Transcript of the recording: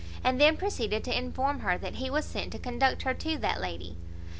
and then proceeded to inform her that he was sent to conduct her to that lady.